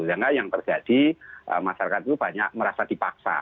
sehingga yang terjadi masyarakat itu banyak merasa dipaksa